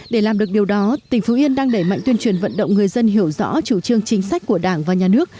để làm được điều đó tỉnh phú yên đang đẩy mạnh tuyên truyền vận động người dân hiểu rõ chủ trương chính sách của đảng và nhà nước